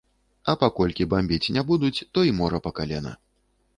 А паколькі бамбіць не будуць, то й мора па калена.